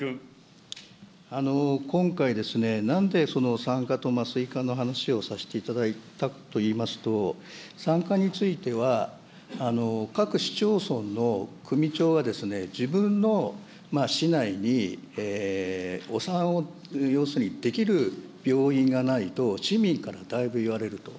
今回、なんでその産科と麻酔科の話をさせていただいたかといいますと、産科については、各市町村の首長が、自分の市内にお産を、要するにできる病院がないと、市民からだいぶ言われると。